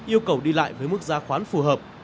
yêu cầu đi lại với mức giá khoán phù hợp